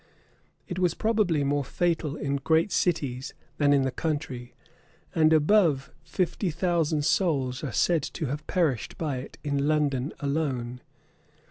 It was probably more fatal in great cities than in the country; and above fifty thousand souls are said to have perished by it in London alone.